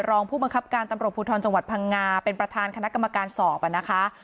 รองปบตำรวจสวทชพางงาเป็นประธานคณะกรรมการสอบนะคะ